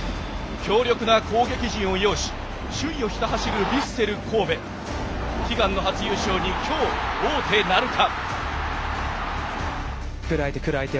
強力な攻撃陣を擁し首位をひた走るヴィッセル神戸悲願の初優勝へ今日、王手なるか。